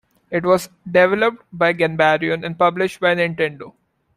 It was developed by Ganbarion and published by Nintendo.